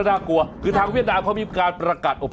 น่ากลัวมาก